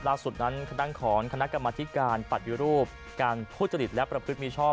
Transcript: ล่าสุดนั้นคณะของคณะกรรมธิการปฏิรูปการทุจริตและประพฤติมีชอบ